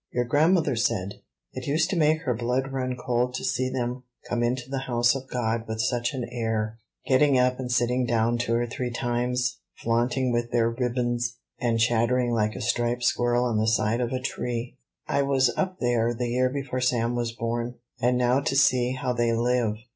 Your grandmother said, it used to make her blood run cold to see them come into the house of God with such an air, getting up and sitting down two or three times, flaunting with their 'ribbins,' and chattering like a striped squirrel on the side of a tree. I was up there the year before Sam was born; and now to see how they live!